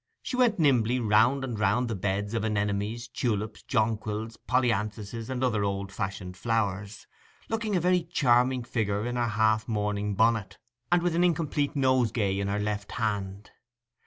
She went nimbly round and round the beds of anemones, tulips, jonquils, polyanthuses, and other old fashioned flowers, looking a very charming figure in her half mourning bonnet, and with an incomplete nosegay in her left hand.